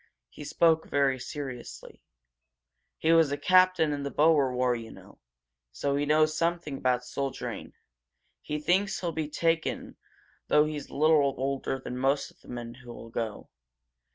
He spoke very seriously. "He was a captain in the Boer War, you know, so he knows something about soldiering. He thinks he'll be taken, though he's a little older than most of the men who'll go.